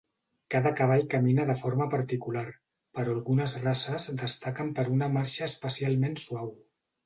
Cada cavall camina de forma particular però algunes races destaquen per una marxa especialment suau.